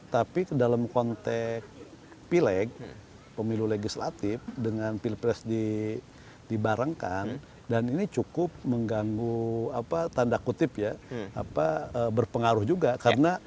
tapi dalam konteks pileg pemilu legislatif dengan pilpres dibarangkan dan ini cukup mengganggu apa tanda kutip ya berpengaruh juga